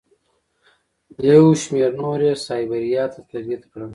یو شمېر نور یې سایبریا ته تبعید کړل.